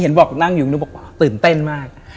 เห็นมากตื่นเต้นมาก